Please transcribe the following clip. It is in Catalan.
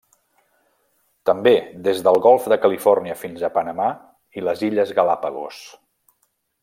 També des del Golf de Califòrnia fins a Panamà i les Illes Galápagos.